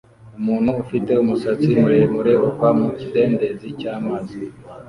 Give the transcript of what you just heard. Umuntu ufite umusatsi muremure uva mu kidendezi cyamazi